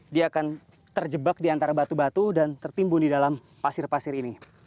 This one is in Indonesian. dia akan terjebak di antara batu batu dan tertimbun di dalam pasir pasir ini